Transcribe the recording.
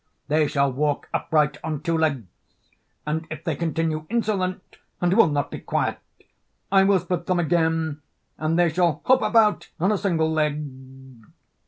They shall walk upright on two legs, and if they continue insolent and will not be quiet, I will split them again and they shall hop about on a single leg.'